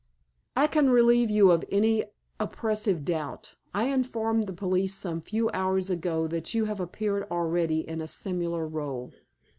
"I can relieve you of any oppressive doubt. I informed the police some few hours ago that you have appeared already in a similar role."